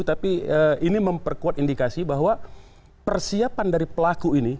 tapi ini memperkuat indikasi bahwa persiapan dari pelaku ini